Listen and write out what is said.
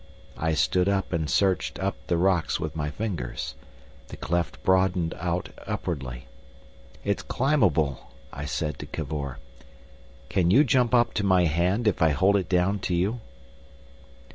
I stood up and searched up the rocks with my fingers; the cleft broadened out upwardly. "It's climbable," I said to Cavor. "Can you jump up to my hand if I hold it down to you?"